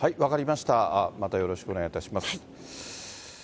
またよろしくお願いいたします。